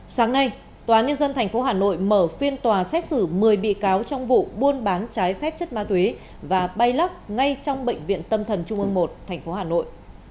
sáng nay tnth hà nội mở phiên tòa xét xử một mươi bị cáo trong vụ buôn bán trái phép chất ma túy và bay lắc ngay trong bệnh viện tâm thần trung ương một hà nội